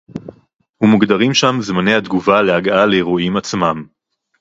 ומוגדרים שם זמני התגובה להגעה לאירועים עצמם